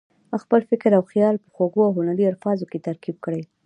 خپل فکر او خیال په خوږو او هنري الفاظو کې ترتیب کړي.